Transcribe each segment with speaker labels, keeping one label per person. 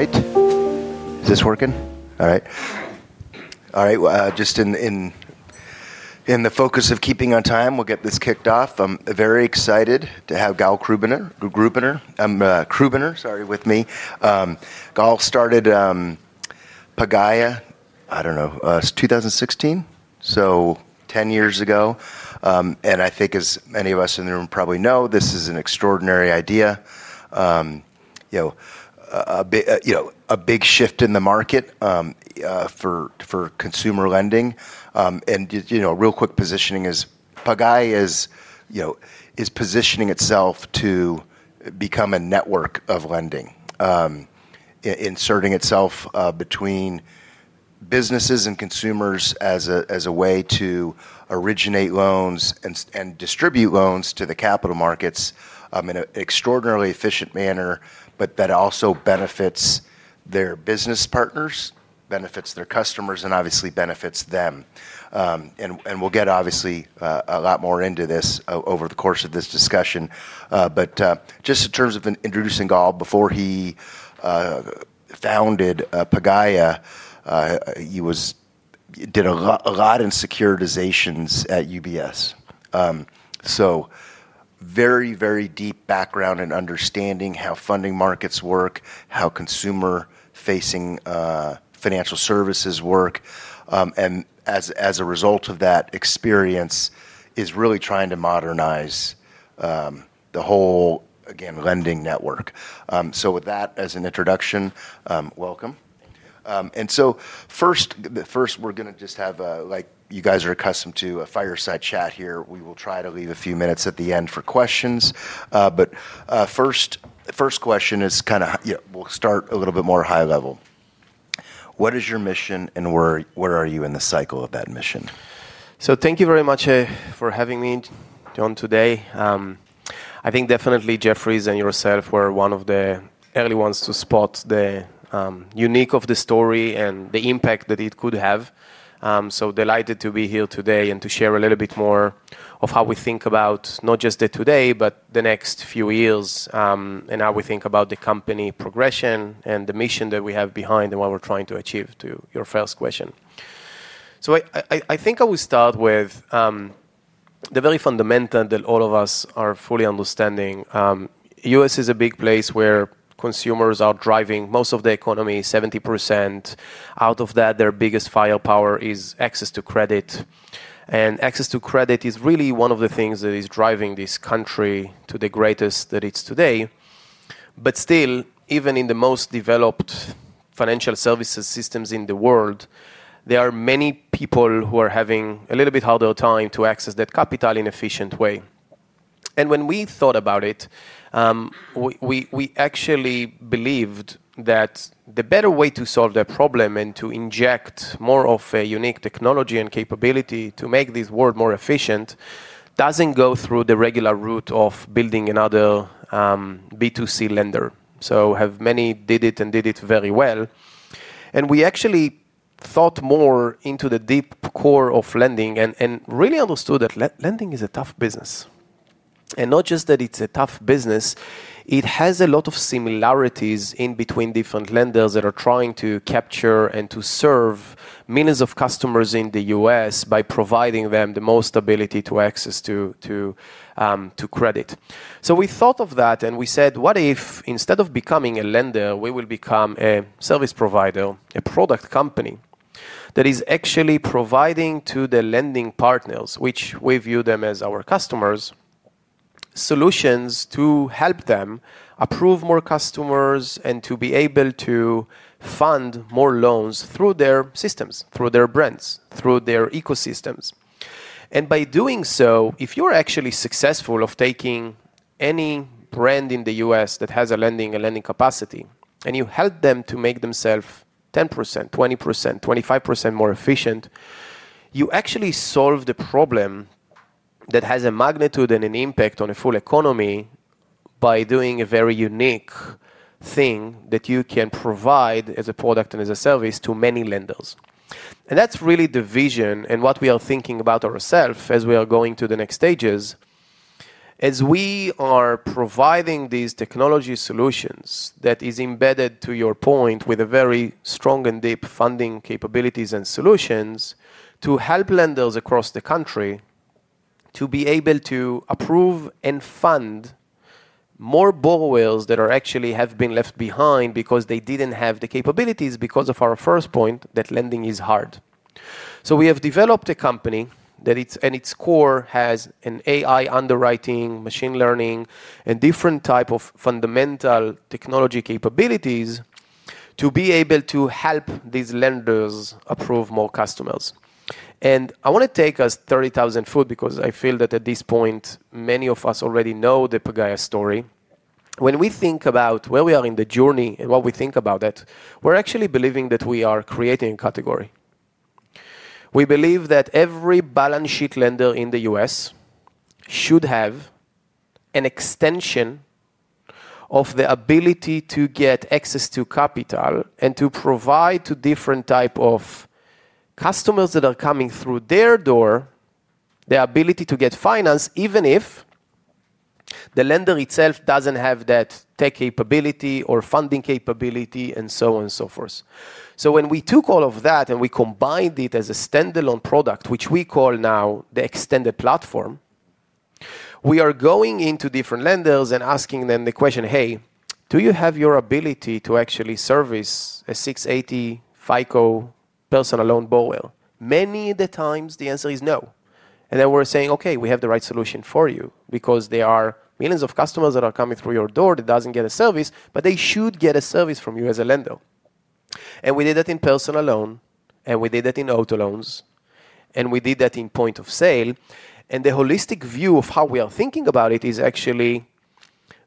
Speaker 1: All right. Is this working? All right. Well, just in the interest of keeping on time, we'll get this kicked off. I'm very excited to have Gal Krubiner, sorry, with me. Gal started Pagaya, I don't know, 2016, so 10 years ago. And I think, as many of us in the room probably know, this is an extraordinary idea, a big shift in the market for consumer lending. And real quick positioning is Pagaya is positioning itself to become a network of lending, inserting itself between businesses and consumers as a way to originate loans and distribute loans to the capital markets in an extraordinarily efficient manner, but that also benefits their business partners, benefits their customers, and obviously benefits them. And we'll get obviously a lot more into this over the course of this discussion. But just in terms of introducing Gal before he founded Pagaya, he did a lot in securitizations at UBS. So very, very deep background in understanding how funding markets work, how consumer-facing financial services work. And as a result of that experience, he's really trying to modernize the whole, again, lending network. So with that as an introduction, welcome.
Speaker 2: Thank you. And so first, we're going to just have, like you guys are accustomed to, a fireside chat here. We will try to leave a few minutes at the end for questions. But first question is kind of, we'll start a little bit more high level. What is your mission and where are you in the cycle of that mission? So thank you very much for having me on today. I think definitely Jefferies and yourself were one of the early ones to spot the uniqueness of the story and the impact that it could have. So delighted to be here today and to share a little bit more of how we think about not just today, but the next few years and how we think about the company progression and the mission that we have behind and what we're trying to achieve to your first question. So I think I will start with the very fundamental that all of us are fully understanding. The U.S. is a big place where consumers are driving most of the economy, 70%. Out of that, their biggest firepower is access to credit. Access to credit is really one of the things that is driving this country to the greatest that it's today. But still, even in the most developed financial services systems in the world, there are many people who are having a little bit harder time to access that capital in an efficient way. And when we thought about it, we actually believed that the better way to solve that problem and to inject more of a unique technology and capability to make this world more efficient doesn't go through the regular route of building another B2C lender. So many have done it and did it very well. And we actually thought more into the deep core of lending and really understood that lending is a tough business. And not just that it's a tough business, it has a lot of similarities in between different lenders that are trying to capture and to serve millions of customers in the U.S. by providing them the most ability to access to credit. So we thought of that and we said, what if instead of becoming a lender, we will become a service provider, a product company that is actually providing to the lending partners, which we view them as our customers, solutions to help them approve more customers and to be able to fund more loans through their systems, through their brands, through their ecosystems. By doing so, if you're actually successful of taking any brand in the U.S. that has a lending capacity and you help them to make themselves 10%, 20%, 25% more efficient, you actually solve the problem that has a magnitude and an impact on a full economy by doing a very unique thing that you can provide as a product and as a service to many lenders. That's really the vision and what we are thinking about ourselves as we are going to the next stages as we are providing these technology solutions that is embedded to your point with very strong and deep funding capabilities and solutions to help lenders across the country to be able to approve and fund more borrowers that actually have been left behind because they didn't have the capabilities because of our first point that lending is hard. So we have developed a company that in its core has an AI underwriting, machine learning, and different types of fundamental technology capabilities to be able to help these lenders approve more customers. And I want to take us 30,000-foot because I feel that at this point, many of us already know the Pagaya story. When we think about where we are in the journey and what we think about it, we're actually believing that we are creating a category. We believe that every balance sheet lender in the U.S. should have an extension of the ability to get access to capital and to provide to different types of customers that are coming through their door the ability to get financed even if the lender itself doesn't have that tech capability or funding capability and so on and so forth. So when we took all of that and we combined it as a standalone product, which we call now the extended platform, we are going into different lenders and asking them the question, hey, do you have your ability to actually service a 680 FICO personal loan borrower? Many of the times, the answer is no. And then we're saying, okay, we have the right solution for you because there are millions of customers that are coming through your door that don't get a service, but they should get a service from you as a lender. And we did that in personal loan, and we did that in auto loans, and we did that in point of sale. The holistic view of how we are thinking about it is actually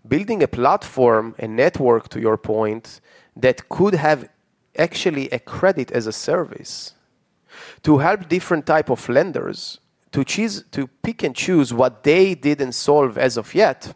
Speaker 2: building a platform, a network to your point, that could have actually a credit as a service to help different types of lenders to pick and choose what they didn't solve as of yet,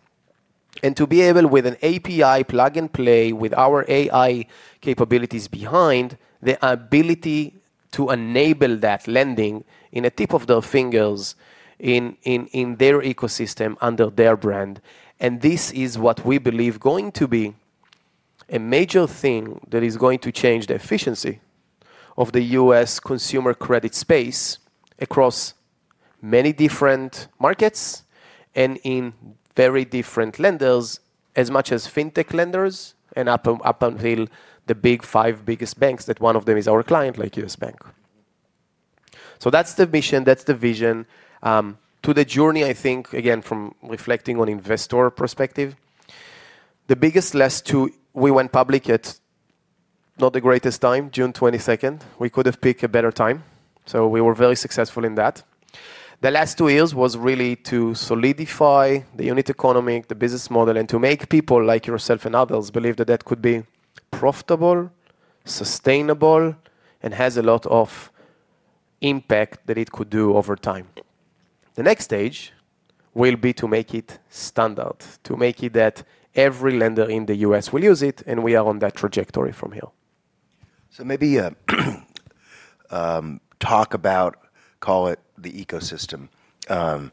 Speaker 2: and to be able with an API plug and play with our AI capabilities behind the ability to enable that lending in the tip of their fingers in their ecosystem under their brand. This is what we believe is going to be a major thing that is going to change the efficiency of the U.S. consumer credit space across many different markets and in very different lenders as much as fintech lenders and up until the big five biggest banks that one of them is our client like U.S. Bank. So that's the mission, that's the vision to the journey, I think, again, from reflecting on investor perspective. The biggest last two, we went public at not the greatest time, June 22nd. We could have picked a better time. So we were very successful in that. The last two years was really to solidify the unit economics, the business model, and to make people like yourself and others believe that that could be profitable, sustainable, and has a lot of impact that it could do over time. The next stage will be to make it standard, to make it that every lender in the U.S. will use it, and we are on that trajectory from here. So maybe talk about, call it the ecosystem, call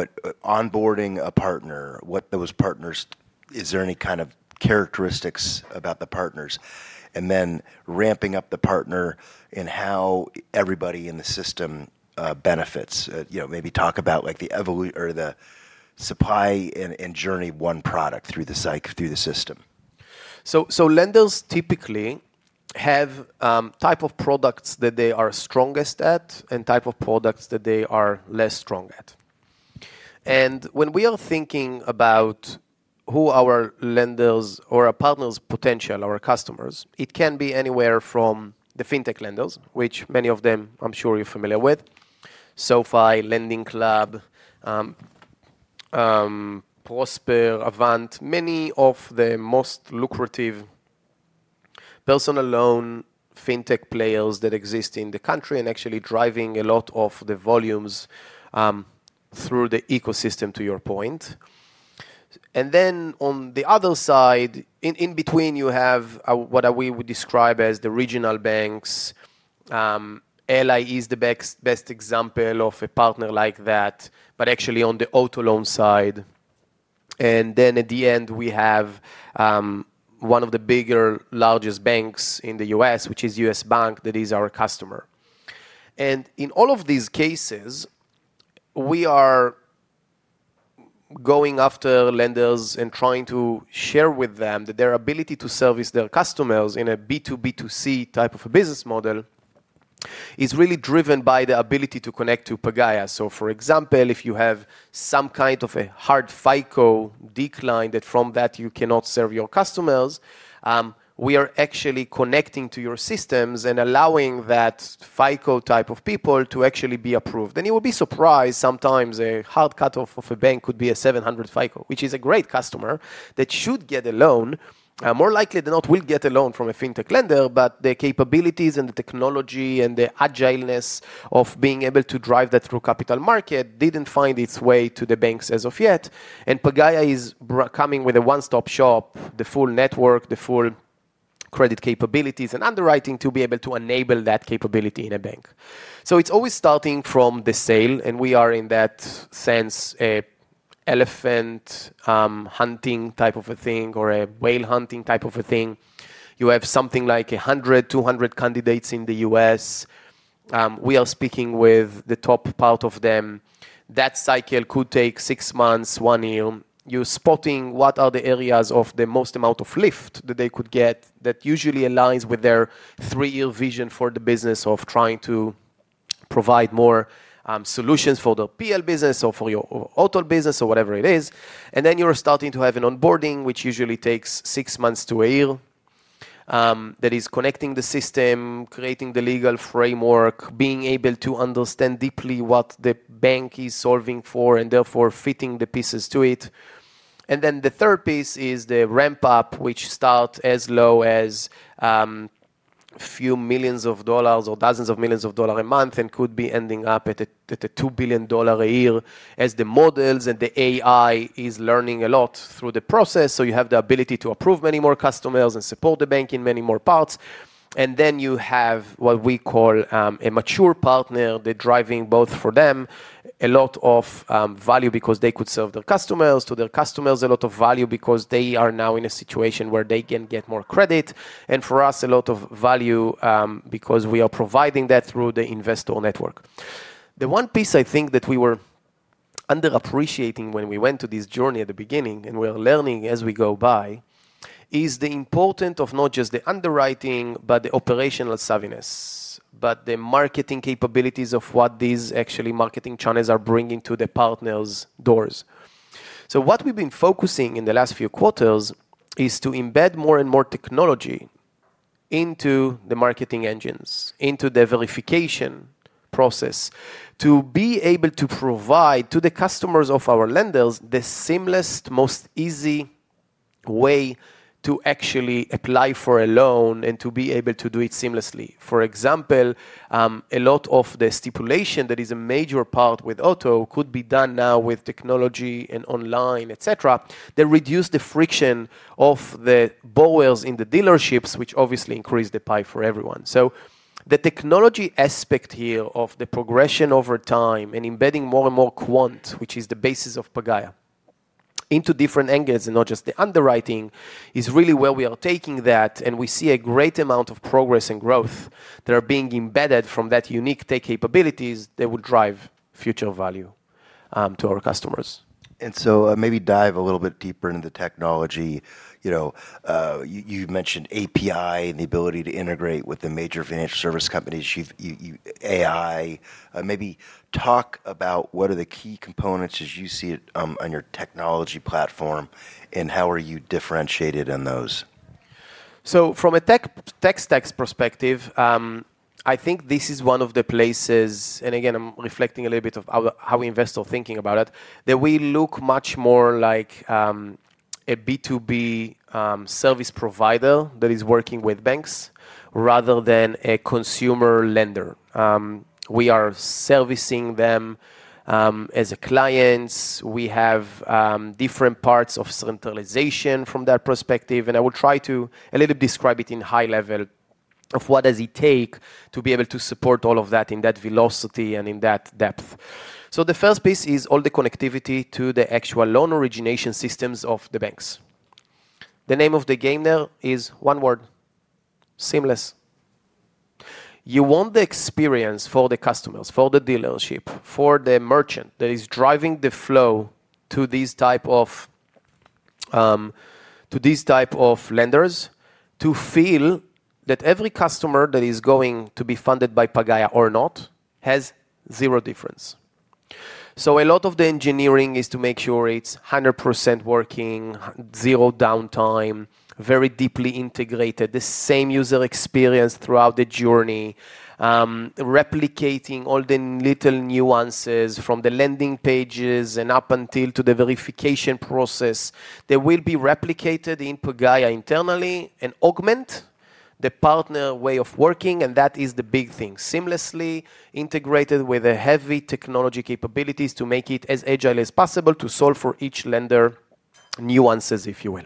Speaker 2: it onboarding a partner, what those partners, is there any kind of characteristics about the partners? And then ramping up the partner and how everybody in the system benefits. Maybe talk about the supply-and-demand journey of one product through the system. So, lenders typically have types of products that they are strongest at and types of products that they are less strong at. And when we are thinking about who our lenders or our partners' potential, our customers, it can be anywhere from the fintech lenders, which many of them, I'm sure you're familiar with, SoFi, LendingClub, Prosper, Avant, many of the most lucrative personal loan fintech players that exist in the country and actually driving a lot of the volumes through the ecosystem to your point. And then on the other side, in between, you have what we would describe as the regional banks. Ally is the best example of a partner like that, but actually on the auto loan side. And then at the end, we have one of the bigger, largest banks in the U.S., which is U.S. Bank that is our customer. And in all of these cases, we are going after lenders and trying to share with them that their ability to service their customers in a B2B2C type of a business model is really driven by the ability to connect to Pagaya. So for example, if you have some kind of a hard FICO decline, from that you cannot serve your customers, we are actually connecting to your systems and allowing that FICO type of people to actually be approved. And you will be surprised sometimes a hard cut off of a bank could be a 700 FICO, which is a great customer that should get a loan. More likely than not, will get a loan from a fintech lender, but the capabilities and the technology and the agileness of being able to drive that through capital market didn't find its way to the banks as of yet. Pagaya is coming with a one-stop shop, the full network, the full credit capabilities and underwriting to be able to enable that capability in a bank. It's always starting from the sale, and we are in that sense, elephant hunting type of a thing or a whale hunting type of a thing. You have something like 100, 200 candidates in the U.S. We are speaking with the top part of them. That cycle could take six months, one year. You're spotting what are the areas of the most amount of lift that they could get that usually aligns with their three-year vision for the business of trying to provide more solutions for the PL business or for your auto business or whatever it is. And then you're starting to have an onboarding, which usually takes six months to a year, that is connecting the system, creating the legal framework, being able to understand deeply what the bank is solving for and therefore fitting the pieces to it. And then the third piece is the ramp up, which starts as low as a few million dollars or dozens of millions of dollars a month and could be ending up at a $2 billion a year as the models and the AI is learning a lot through the process. So you have the ability to approve many more customers and support the bank in many more parts. And then you have what we call a mature partner that's driving both for them a lot of value because they could serve their customers, to their customers a lot of value because they are now in a situation where they can get more credit. And for us, a lot of value because we are providing that through the investor network. The one piece I think that we were underappreciating when we went to this journey at the beginning and we are learning as we go by is the importance of not just the underwriting, but the operational savviness, but the marketing capabilities of what these actually marketing channels are bringing to the partners' doors. What we've been focusing on in the last few quarters is to embed more and more technology into the marketing engines, into the verification process, to be able to provide to the customers of our lenders the seamless, most easy way to actually apply for a loan and to be able to do it seamlessly. For example, a lot of the stipulation that is a major part with auto could be done now with technology and online, etc., that reduces the friction of the borrowers in the dealerships, which obviously increases the pie for everyone. The technology aspect here of the progression over time and embedding more and more quant, which is the basis of Pagaya, into different angles and not just the underwriting is really where we are taking that. We see a great amount of progress and growth that are being embedded from that unique tech capabilities that will drive future value to our customers. And so maybe dive a little bit deeper into the technology. You mentioned API and the ability to integrate with the major financial service companies, AI. Maybe talk about what are the key components as you see it on your technology platform and how are you differentiated in those? So from a tech stack perspective, I think this is one of the places, and again, I'm reflecting a little bit of how investors are thinking about it, that we look much more like a B2B service provider that is working with banks rather than a consumer lender. We are servicing them as clients. We have different parts of centralization from that perspective. And I will try to a little bit describe it in high level of what does it take to be able to support all of that in that velocity and in that depth. So the first piece is all the connectivity to the actual loan origination systems of the banks. The name of the game there is one word, seamless. You want the experience for the customers, for the dealership, for the merchant that is driving the flow to these types of lenders to feel that every customer that is going to be funded by Pagaya or not has zero difference. So a lot of the engineering is to make sure it's 100% working, zero downtime, very deeply integrated, the same user experience throughout the journey, replicating all the little nuances from the lending pages and up until to the verification process that will be replicated in Pagaya internally and augment the partner way of working. And that is the big thing, seamlessly integrated with the heavy technology capabilities to make it as agile as possible to solve for each lender nuances, if you will.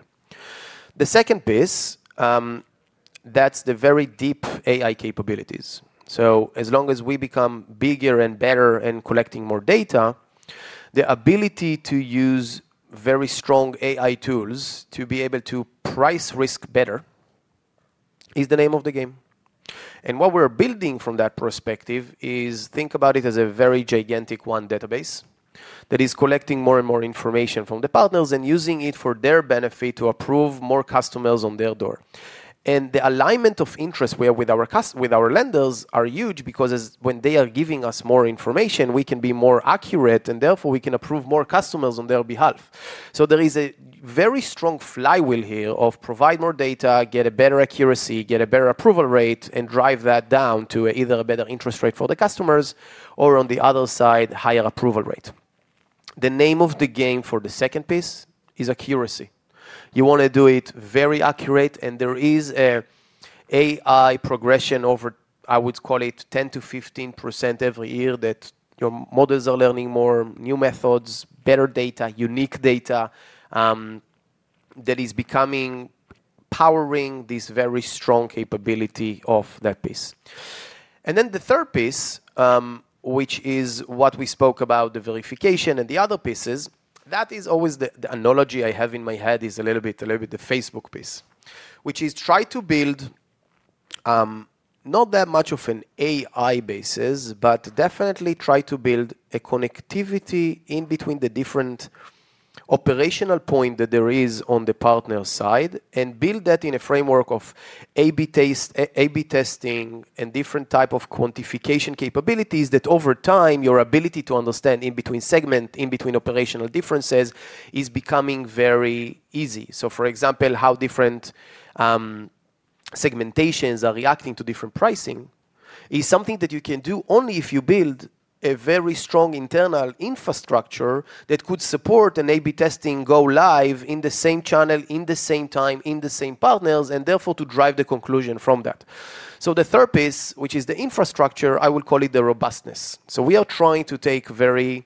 Speaker 2: The second piece, that's the very deep AI capabilities. So as long as we become bigger and better and collecting more data, the ability to use very strong AI tools to be able to price risk better is the name of the game. And what we're building from that perspective is think about it as a very gigantic one database that is collecting more and more information from the partners and using it for their benefit to approve more customers on their door. And the alignment of interest with our lenders is huge because when they are giving us more information, we can be more accurate and therefore we can approve more customers on their behalf. So there is a very strong flywheel here of provide more data, get a better accuracy, get a better approval rate, and drive that down to either a better interest rate for the customers or on the other side, higher approval rate. The name of the game for the second piece is accuracy. You want to do it very accurate. And there is an AI progression over, I would call it 10%-15% every year that your models are learning more new methods, better data, unique data that is becoming powering this very strong capability of that piece. And then the third piece, which is what we spoke about, the verification and the other pieces, that is always the analogy I have in my head is a little bit the Facebook piece, which is try to build not that much of an AI basis, but definitely try to build a connectivity in between the different operational points that there are on the partner side and build that in a framework of A/B testing and different types of quantification capabilities that over time, your ability to understand in between segment, in between operational differences is becoming very easy. So for example, how different segmentations are reacting to different pricing is something that you can do only if you build a very strong internal infrastructure that could support an A/B testing go live in the same channel, in the same time, in the same partners, and therefore to drive the conclusion from that. So the third piece, which is the infrastructure, I will call it the robustness. So we are trying to take very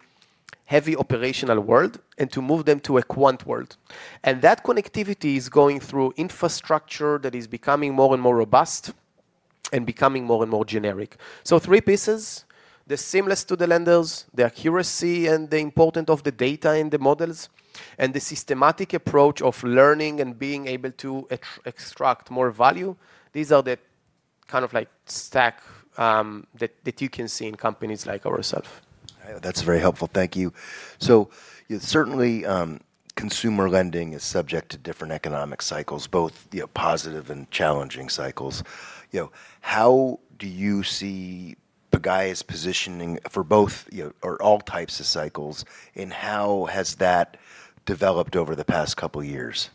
Speaker 2: heavy operational world and to move them to a quant world, and that connectivity is going through infrastructure that is becoming more and more robust and becoming more and more generic. So three pieces, the seamless to the lenders, the accuracy and the importance of the data in the models, and the systematic approach of learning and being able to extract more value. These are the kind of like stack that you can see in companies like ourselves. That's very helpful. Thank you. So certainly consumer lending is subject to different economic cycles, both positive and challenging cycles. How do you see Pagaya's positioning for both or all types of cycles and how has that developed over the past couple of years?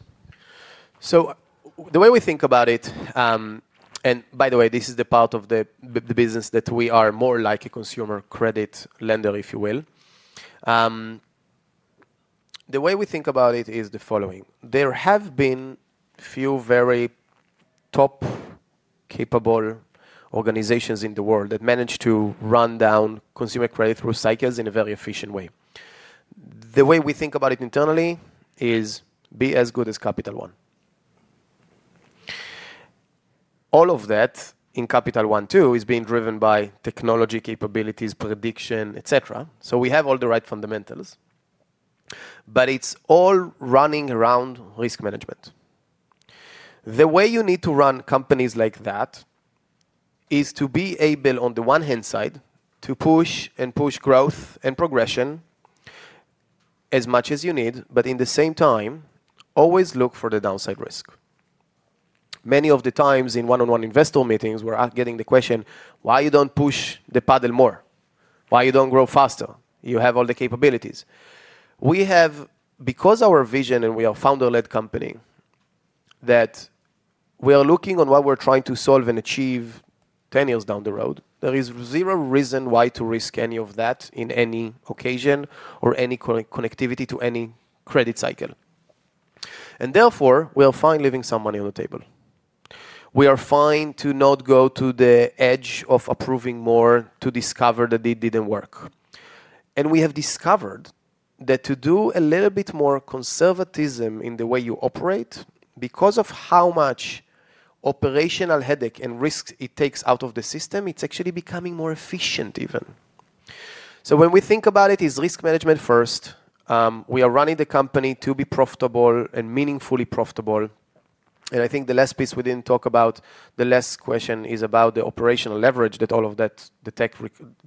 Speaker 2: So the way we think about it, and by the way, this is the part of the business that we are more like a consumer credit lender, if you will. The way we think about it is the following. There have been a few very top capable organizations in the world that managed to run down consumer credit through cycles in a very efficient way. The way we think about it internally is be as good as Capital One. All of that in Capital One too is being driven by technology capabilities, prediction, etc. So we have all the right fundamentals, but it's all running around risk management. The way you need to run companies like that is to be able on the one hand side to push and push growth and progression as much as you need, but in the same time, always look for the downside risk. Many of the times in one-on-one investor meetings, we're getting the question, why don't you push the pedal more? Why don't you grow faster? You have all the capabilities. We have, because our vision and we are a founder-led company that we are looking on what we're trying to solve and achieve 10 years down the road, there is zero reason why to risk any of that in any occasion or any connectivity to any credit cycle. And therefore, we are fine leaving some money on the table. We are fine to not go to the edge of approving more to discover that it didn't work. And we have discovered that to do a little bit more conservatism in the way you operate, because of how much operational headache and risks it takes out of the system, it's actually becoming more efficient even. So when we think about it, it's risk management first. We are running the company to be profitable and meaningfully profitable. And I think the last piece we didn't talk about, the last question is about the operational leverage that all of that the tech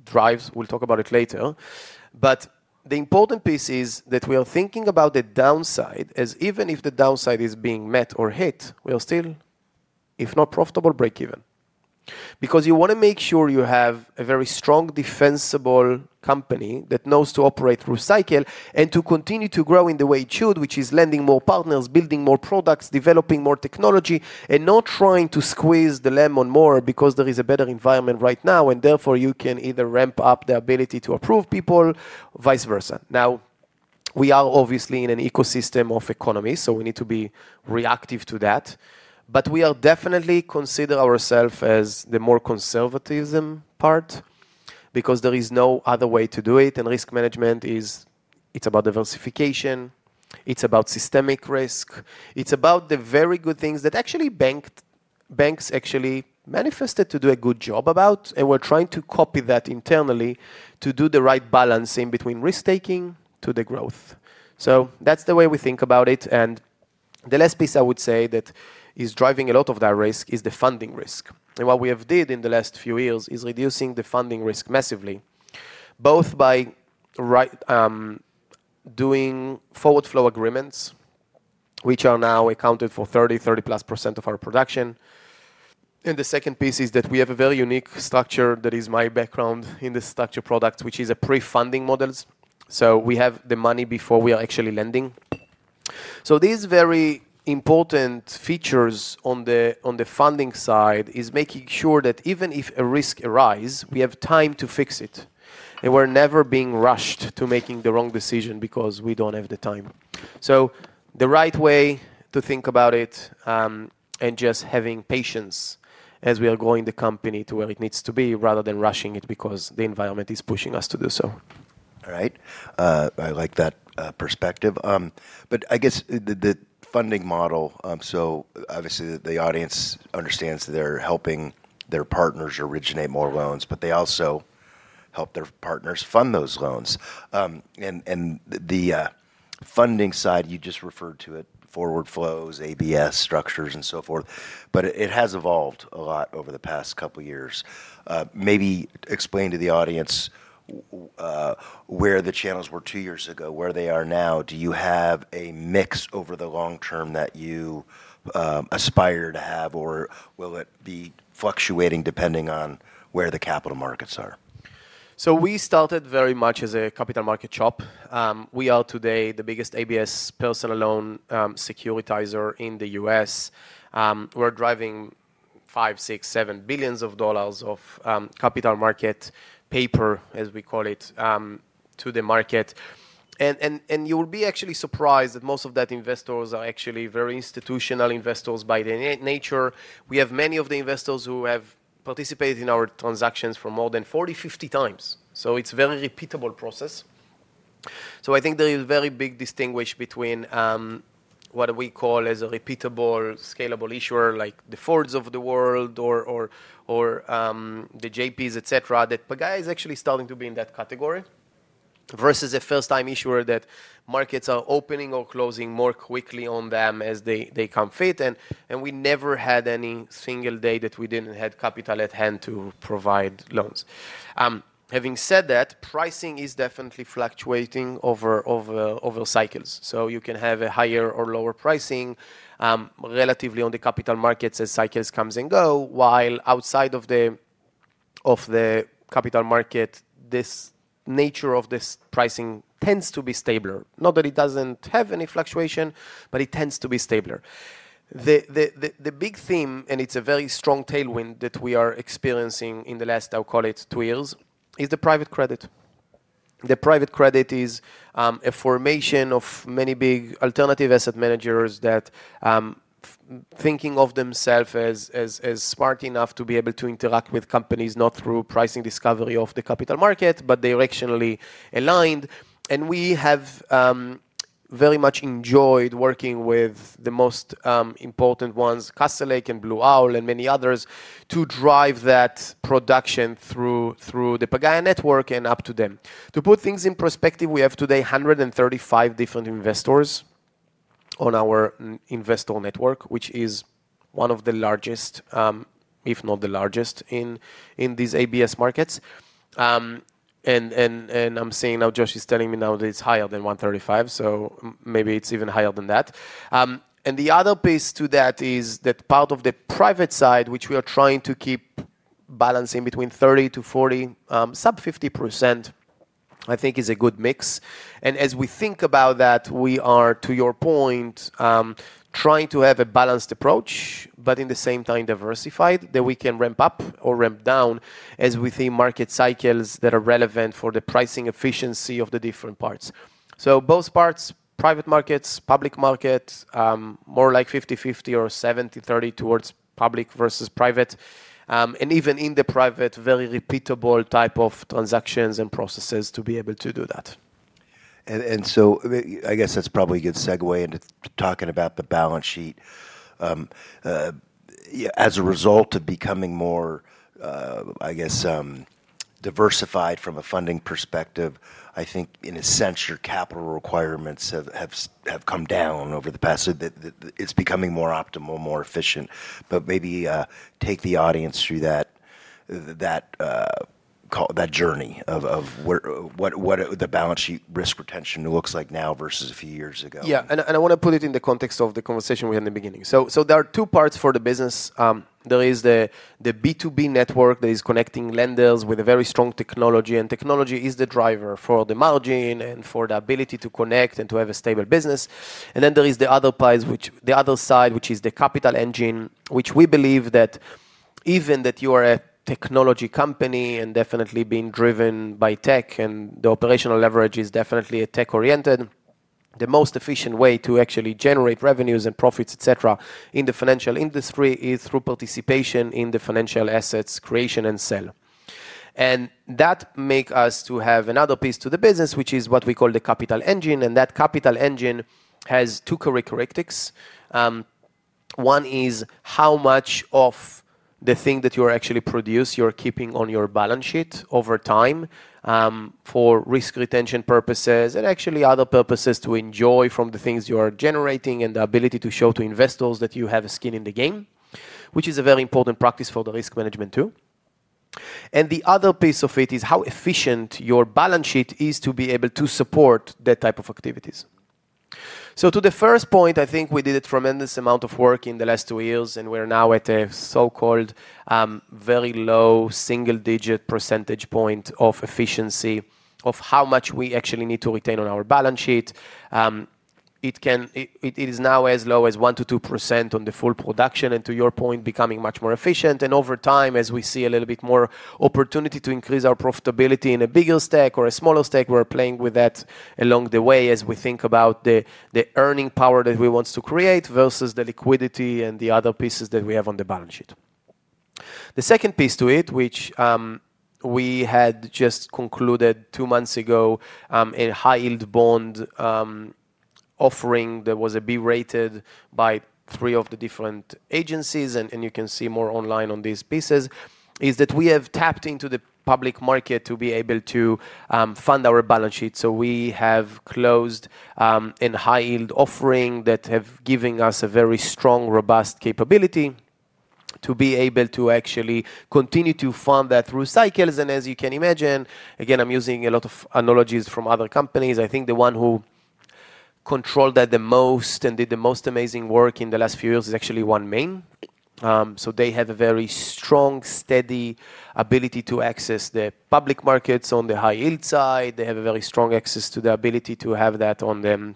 Speaker 2: drives. We'll talk about it later. But the important piece is that we are thinking about the downside as even if the downside is being met or hit, we are still, if not profitable, break even. Because you want to make sure you have a very strong defensible company that knows to operate through cycle and to continue to grow in the way it should, which is lending more partners, building more products, developing more technology, and not trying to squeeze the lemon more because there is a better environment right now. And therefore, you can either ramp up the ability to approve people, vice versa. Now, we are obviously in an ecosystem of economies, so we need to be reactive to that. But we are definitely considering ourselves as the more conservative part because there is no other way to do it. And risk management is. It's about diversification. It's about systemic risk. It's about the very good things that actually banks actually manifested to do a good job about. And we're trying to copy that internally to do the right balancing between risk-taking to the growth. So that's the way we think about it. And the last piece I would say that is driving a lot of that risk is the funding risk. What we have did in the last few years is reducing the funding risk massively, both by doing forward flow agreements, which are now accounted for 30-30-plus% of our production. The second piece is that we have a very unique structure that is my background in the structured products, which is a pre-funding models. We have the money before we are actually lending. These very important features on the funding side is making sure that even if a risk arises, we have time to fix it. We're never being rushed to making the wrong decision because we don't have the time. The right way to think about it and just having patience as we are growing the company to where it needs to be rather than rushing it because the environment is pushing us to do so. All right. I like that perspective. But I guess the funding model, so obviously the audience understands they're helping their partners originate more loans, but they also help their partners fund those loans. And the funding side, you just referred to it, forward flows, ABS structures and so forth, but it has evolved a lot over the past couple of years. Maybe explain to the audience where the channels were two years ago, where they are now. Do you have a mix over the long term that you aspire to have, or will it be fluctuating depending on where the capital markets are? So we started very much as a capital market shop. We are today the biggest ABS personal loan securitizer in the U.S. We're driving $5-$7 billion of capital market paper, as we call it, to the market. And you will be actually surprised that most of those investors are actually very institutional investors by their nature. We have many of the investors who have participated in our transactions for more than 40, 50 times. So it's a very repeatable process. So I think there is a very big distinction between what we call as a repeatable scalable issuer like the Fords of the world or the JPs, etc., that Pagaya is actually starting to be in that category versus a first-time issuer that markets are opening or closing more quickly on them as they come fit. And we never had any single day that we didn't have capital at hand to provide loans. Having said that, pricing is definitely fluctuating over cycles. So you can have a higher or lower pricing relatively on the capital markets as cycles come and go, while outside of the capital market, this nature of this pricing tends to be stabler. Not that it doesn't have any fluctuation, but it tends to be stabler. The big theme, and it's a very strong tailwind that we are experiencing in the last, I'll call it, two years, is the private credit. The private credit is a formation of many big alternative asset managers that are thinking of themselves as smart enough to be able to interact with companies not through pricing discovery of the capital market, but directionally aligned. And we have very much enjoyed working with the most important ones, Castlelake and Blue Owl and many others to drive that production through the Pagaya network and up to them. To put things in perspective, we have today 135 different investors on our investor network, which is one of the largest, if not the largest in these ABS markets. And I'm seeing now Josh is telling me now that it's higher than 135, so maybe it's even higher than that. And the other piece to that is that part of the private side, which we are trying to keep balancing between 30 to 40, sub 50%, I think is a good mix. And as we think about that, we are, to your point, trying to have a balanced approach, but in the same time diversified that we can ramp up or ramp down as we think market cycles that are relevant for the pricing efficiency of the different parts. So both parts, private markets, public markets, more like 50/50 or 70/30 towards public versus private. And even in the private, very repeatable type of transactions and processes to be able to do that. I guess that's probably a good segue into talking about the balance sheet. As a result of becoming more, I guess, diversified from a funding perspective, I think in a sense, your capital requirements have come down over the past. It's becoming more optimal, more efficient. Maybe take the audience through that journey of what the balance sheet risk retention looks like now versus a few years ago. Yeah, and I want to put it in the context of the conversation we had in the beginning, so there are two parts for the business. There is the B2B network that is connecting lenders with a very strong technology, and technology is the driver for the margin and for the ability to connect and to have a stable business, and then there is the other side, which is the Capital Engine, which we believe that even that you are a technology company and definitely being driven by tech and the operational leverage is definitely tech-oriented, the most efficient way to actually generate revenues and profits, etc., in the financial industry is through participation in the financial assets creation and sale, and that makes us to have another piece to the business, which is what we call the Capital Engine, and that Capital Engine has two characteristics. One is how much of the thing that you are actually producing, you're keeping on your balance sheet over time for risk retention purposes and actually other purposes to enjoy from the things you are generating and the ability to show to investors that you have a skin in the game, which is a very important practice for the risk management too. And the other piece of it is how efficient your balance sheet is to be able to support that type of activities. So to the first point, I think we did a tremendous amount of work in the last two years, and we're now at a so-called very low single-digit percentage point of efficiency of how much we actually need to retain on our balance sheet. It is now as low as 1%-2% on the full production and to your point, becoming much more efficient. Over time, as we see a little bit more opportunity to increase our profitability in a bigger stack or a smaller stack, we're playing with that along the way as we think about the earning power that we want to create versus the liquidity and the other pieces that we have on the balance sheet. The second piece to it, which we had just concluded two months ago, a high-yield bond offering that was B-rated by three of the different agencies, and you can see more online on these pieces, is that we have tapped into the public market to be able to fund our balance sheet. We have closed a high-yield offering that has given us a very strong, robust capability to be able to actually continue to fund that through cycles. As you can imagine, again, I'm using a lot of analogies from other companies. I think the one who controlled that the most and did the most amazing work in the last few years is actually OneMain. So they have a very strong, steady ability to access the public markets on the high-yield side. They have a very strong access to the ability to have that on the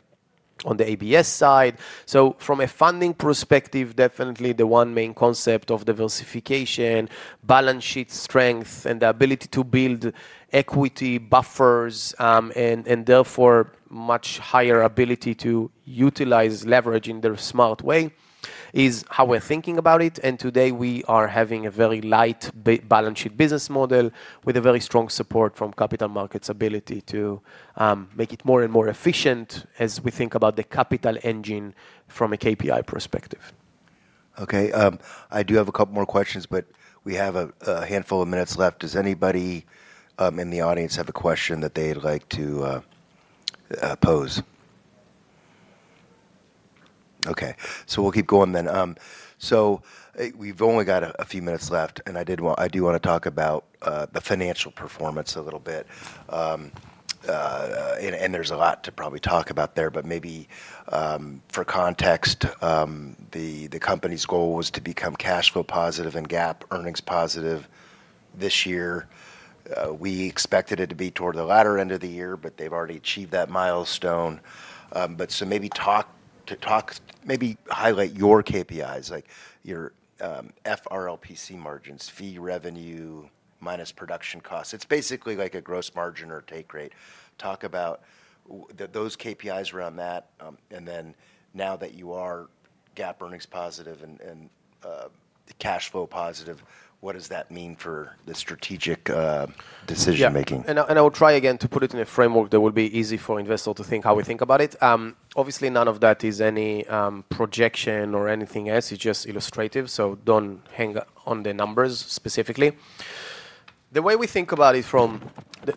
Speaker 2: ABS side. So from a funding perspective, definitely the OneMain concept of diversification, balance sheet strength, and the ability to build equity buffers, and therefore much higher ability to utilize leverage in their smart way is how we're thinking about it. And today we are having a very light balance sheet business model with a very strong support from capital markets' ability to make it more and more efficient as we think about the Capital Engine from a KPI perspective. Okay. I do have a couple more questions, but we have a handful of minutes left. Does anybody in the audience have a question that they'd like to pose? Okay. So we'll keep going then. So we've only got a few minutes left, and I do want to talk about the financial performance a little bit. And there's a lot to probably talk about there, but maybe for context, the company's goal was to become cash flow positive and GAAP earnings positive this year. We expected it to be toward the latter end of the year, but they've already achieved that milestone. But so maybe talk, maybe highlight your KPIs, like your FRLPC margins, fee revenue minus production costs. It's basically like a gross margin or take rate. Talk about those KPIs around that. Now that you are GAAP earnings positive and cash flow positive, what does that mean for the strategic decision-making? Yeah. And I will try again to put it in a framework that will be easy for investors to think how we think about it. Obviously, none of that is any projection or anything else. It's just illustrative. So don't hang on the numbers specifically. The way we think about it from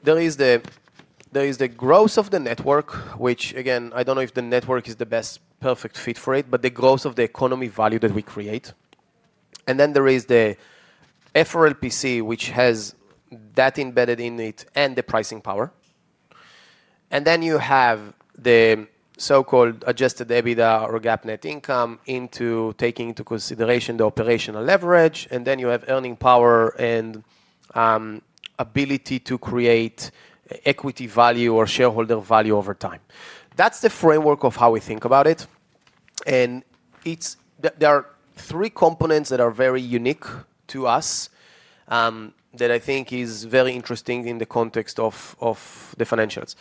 Speaker 2: there is the growth of the network, which again, I don't know if the network is the best perfect fit for it, but the growth of the economy value that we create. And then there is the FRLPC, which has that embedded in it and the pricing power. And then you have the so-called adjusted EBITDA or GAAP net income into taking into consideration the operational leverage. And then you have earning power and ability to create equity value or shareholder value over time. That's the framework of how we think about it. And there are three components that are very unique to us that I think is very interesting in the context of the financials.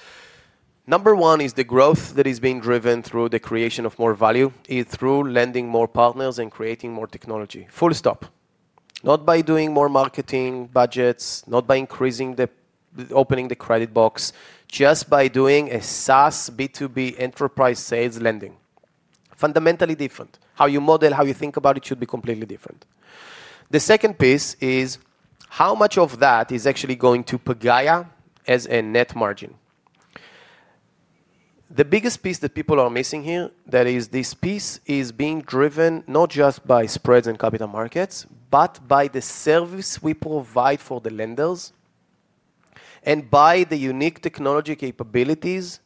Speaker 2: Number one is the growth that is being driven through the creation of more value through lending more partners and creating more technology. Full stop. Not by doing more marketing budgets, not by increasing the opening the credit box, just by doing a SaaS B2B enterprise sales lending. Fundamentally different. How you model, how you think about it should be completely different. The second piece is how much of that is actually going to Pagaya as a net margin. The biggest piece that people are missing here, that is this piece is being driven not just by spreads and capital markets, but by the service we provide for the lenders and by the unique technology capabilities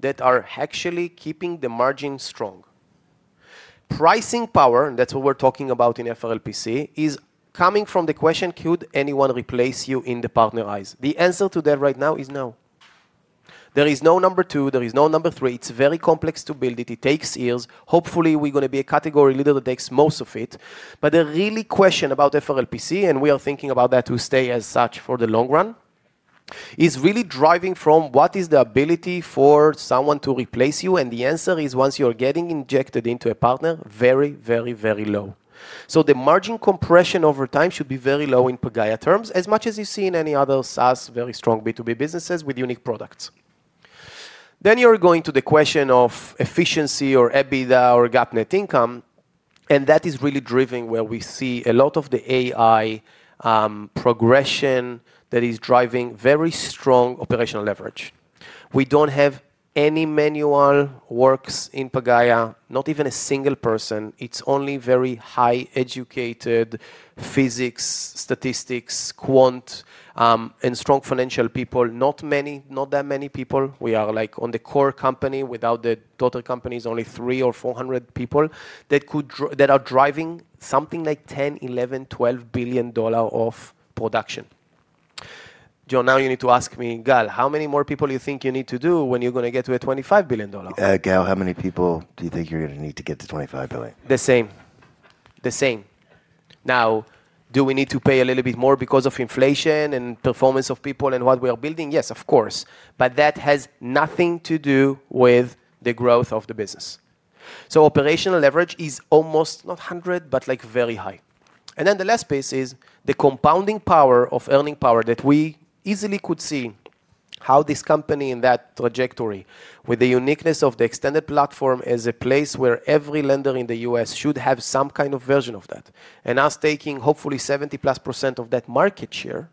Speaker 2: that are actually keeping the margin strong. Pricing power, that's what we're talking about in FRLPC, is coming from the question: could anyone replace you in the partner's eyes? The answer to that right now is no. There is no number two. There is no number three. It's very complex to build it. It takes years. Hopefully, we're going to be a category leader that takes most of it, but the real question about FRLPC, and we are thinking about that to stay as such for the long run, is really driving from what is the ability for someone to replace you, and the answer is once you're getting injected into a partner, very, very, very low, so the margin compression over time should be very low in Pagaya terms, as much as you see in any other SaaS, very strong B2B businesses with unique products. Then you're going to the question of efficiency or EBITDA or GAAP net income, and that is really driving where we see a lot of the AI progression that is driving very strong operational leverage. We don't have any manual works in Pagaya, not even a single person. It's only very high-educated physics, statistics, quant, and strong financial people. Not many, not that many people. We are like on the core company without the daughter companies, only three or 400 people that are driving something like $10-$12 billion of production. John, now you need to ask me, Gal, how many more people you think you need to do when you're going to get to a $25 billion? Gal, how many people do you think you're going to need to get to $25 billion? The same. The same. Now, do we need to pay a little bit more because of inflation and performance of people and what we are building? Yes, of course. But that has nothing to do with the growth of the business. So operational leverage is almost not 100, but like very high. And then the last piece is the compounding power of earning power that we easily could see how this company in that trajectory, with the uniqueness of the Extended Platform as a place where every lender in the U.S. should have some kind of version of that. Us taking hopefully 70+% of that market share,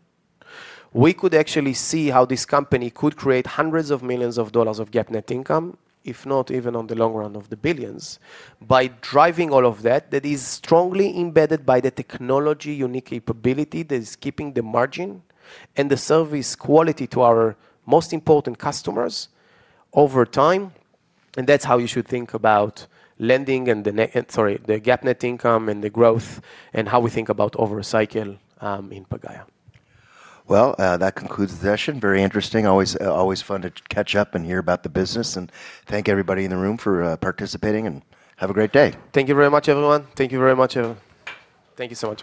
Speaker 2: we could actually see how this company could create hundreds of millions of dollars of GAAP net income, if not even on the long run of the billions, by driving all of that that is strongly embedded by the technology unique capability that is keeping the margin and the service quality to our most important customers over time. That's how you should think about lending and the GAAP net income and the growth and how we think about over a cycle in Pagaya. That concludes the session. Very interesting. Always fun to catch up and hear about the business. Thank everybody in the room for participating and have a great day. Thank you very much, everyone. Thank you very much, everyone. Thank you so much.